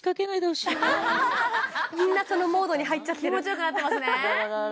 みんなそのモードに入っちゃってる気持ちよくなってますね